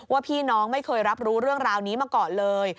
ว่าพี่น้องไม่เคยรับรู้เรื่องราวนี้มาก่อนเลย